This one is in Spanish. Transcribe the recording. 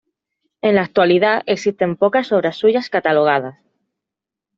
En la actualidad existen pocas obras suyas catalogadas.